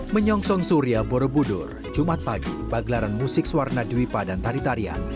menyongsong surya borobudur jumat pagi bagelaran musik warna duipa dan tari tarian